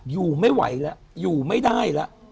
อยู่ไม่ไหวแล้วอยู่ไม่ได้แล้ว